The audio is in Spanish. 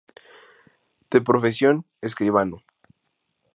De profesión escribano.